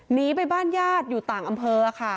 หนีไปบ้านญาติอยู่ต่างอำเภอค่ะ